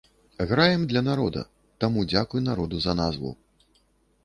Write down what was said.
Граем для народа, таму дзякуй народу за назву.